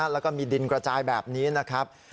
แล้วก็มีดินกระจายแบบนี้นะครับ